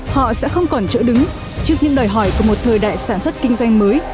họ sẽ không còn chỗ đứng trước những đòi hỏi của một thời đại sản xuất kinh doanh mới